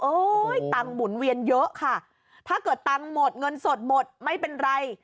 ตังค์หมุนเวียนเยอะค่ะถ้าเกิดตังค์หมดเงินสดหมดไม่เป็นไร